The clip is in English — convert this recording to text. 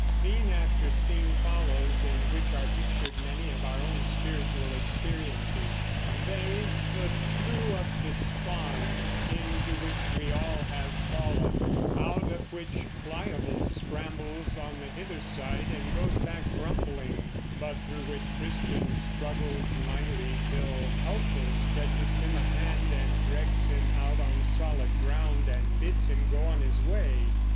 Scene after scene follows, in which are pictured many of our own spiritual experiences. There is the Slough of Despond, into which we all have fallen, out of which Pliable scrambles on the hither side and goes back grumbling, but through which Christian struggles mightily till Helpful stretches him a hand and drags him out on solid ground and bids him go on his way.